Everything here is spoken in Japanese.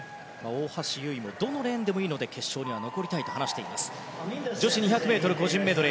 大橋悠依もどのレーンでもいいので決勝に残りたいと話しています。